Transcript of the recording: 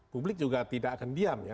publik juga tidak akan diam ya